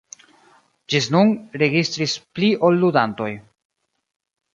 Ĝis nun registris pli ol ludantoj.